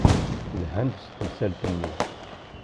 Lhan-d s temsalt-nni.